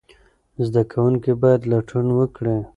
زده کوونکي باید لټون وکړي.